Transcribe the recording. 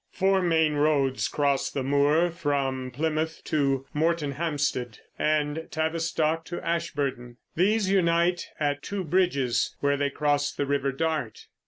Four main roads cross the moor from Plymouth to Moretonhampstead, and Tavistock to Ashburton. These unite at Two Bridges, where they cross the river Dart.